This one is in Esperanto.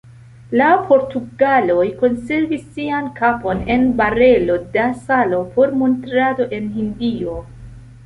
La portugaloj konservis sian kapon en barelo da salo por montrado en Hindio.